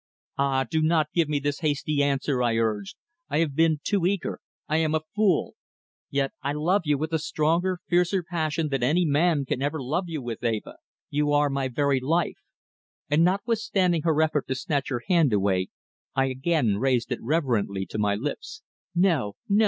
"Ah, do not give me this hasty answer," I urged. "I have been too eager; I am a fool. Yet I love you with a stronger, fiercer passion than any man can ever love you with, Eva. You are my very life," and notwithstanding her effort to snatch her hand away, I again raised it reverently to my lips. "No, no.